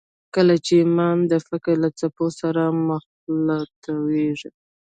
کله چې ایمان د فکر له څپو سره مخلوطېږي